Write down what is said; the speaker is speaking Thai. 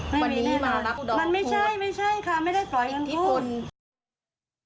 มันไม่ใช่ไม่ใช่ค่ะไม่ได้ปล่อยเงินกู้